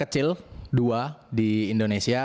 kecil dua di indonesia